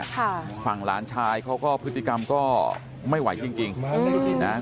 ฝั่งหลานชายเขาก็พฤติกรรมก็ไม่ไหวจริงจริงนะ